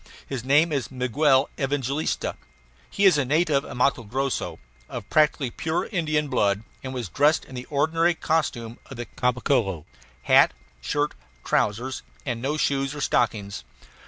His name is Miguel Evangalista. He is a native of Matto Grosso, of practically pure Indian blood, and was dressed in the ordinary costume of the Caboclo hat, shirt, trousers, and no shoes or stockings.